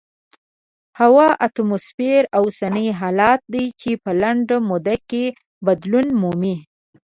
هوا د اتموسفیر اوسنی حالت دی چې په لنډه موده کې بدلون مومي.